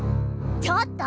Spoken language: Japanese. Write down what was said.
ちょっと！